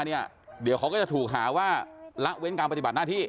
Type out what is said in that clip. เดี๋ยวเขาก็จะถูกหาว่าละเว้นการปฏิบัติหน้าที่